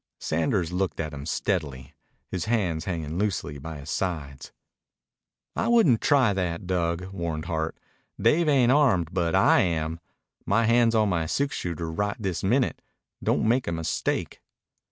Sanders looked at him steadily, his hands hanging loosely by his sides. "I wouldn't try that, Dug," warned Hart. "Dave ain't armed, but I am. My hand's on my six shooter right this minute. Don't make a mistake."